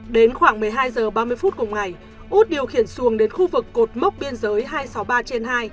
đến khoảng một mươi hai h ba mươi phút cùng ngày út điều khiển xuồng đến khu vực cột mốc biên giới hai trăm sáu mươi ba trên hai